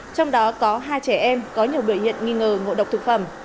trong đó có hai trẻ em có nhiều biểu hiện nghi ngờ ngộ độc thực phẩm